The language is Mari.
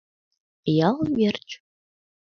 Ял верч!..